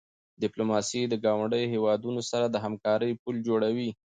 ډیپلوماسي د ګاونډیو هېوادونو سره د همکاری پل جوړوي.